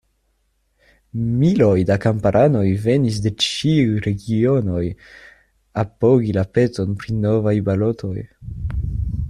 Miloj da kamparanoj venis de ĉiuj regionoj apogi la peton pri novaj balotoj.